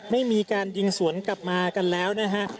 ไม่มีการยิงสวนกลับมากันแล้วนะฮะ